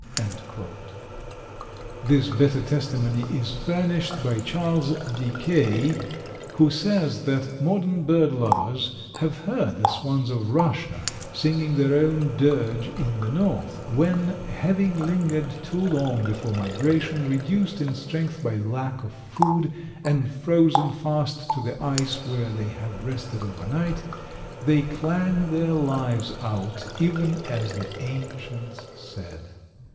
This better testimony is furnished by Charles de Kay, who says that modern bird lovers have heard the swans of Russia singing their own dirge in the North, when, having lingered too long before migration, reduced in strength by lack of food, and frozen fast to the ice where they have rested over night, they clang their lives out, even as the ancients said.